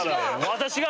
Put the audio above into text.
「私が！」。